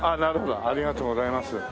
ありがとうございます。